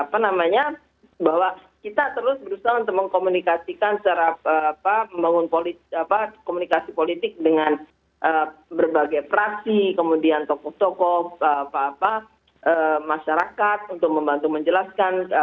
perhatikan cara membangun komunikasi politik dengan berbagai fraksi kemudian tokoh tokoh masyarakat untuk membantu menjelaskan